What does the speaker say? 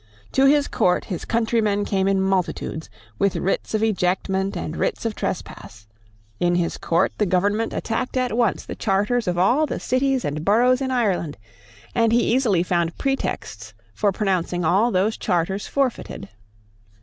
To his court his countrymen came in multitudes with writs of ejectment and writs of trespass. In his court the government attacked at once the charters of all the cities and boroughs in Ireland; and he easily found pretexts for pronouncing all those charters forfeited.